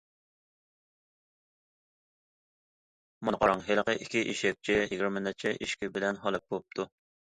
مانا قاراڭ، ھېلىقى ئىككى ئېشەكچى يىگىرمە نەچچە ئېشىكى بىلەن ھالاك بوپتۇ.